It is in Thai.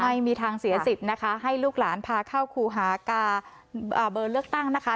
ไม่มีทางเสียสิทธิ์นะคะให้ลูกหลานพาเข้าครูหากาเบอร์เลือกตั้งนะคะ